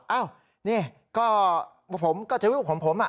อ้าวนี่ก็ผมก็จะยุบของผมอ่ะ